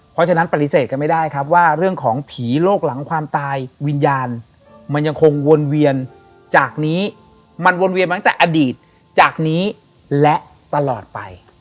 เพราะฉะนั้นปฏิเสธกันไม่ได้ครับว่าเรื่องของผีโลกหลังความตายวิญญาณมันยังคงวนเวียนจากนี้มันวนเวียนมาตั้งแต่อดีตจากนี้และตลอดไป